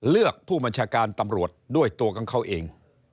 เลือกผู้บัญชาการตำรวจด้วยตัวของเขาเอง